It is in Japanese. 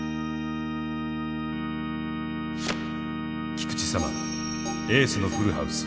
菊地さまエースのフルハウス。